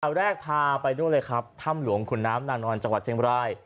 แรกพาไปนู่นเลยครับถ้ำหลวงขุนน้ำนางนอนจังหวัดเชียงบราย